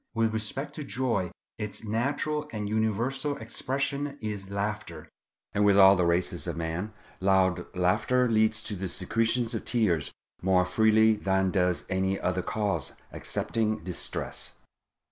With respect to joy, its natural and universal expression is laughter; and with all the races of man loud laughter leads to the secretion of tears more freely than does any other cause excepting distress.